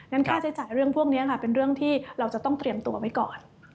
ค่าใช้จ่ายเรื่องพวกนี้ค่ะเป็นเรื่องที่เราจะต้องเตรียมตัวไว้ก่อน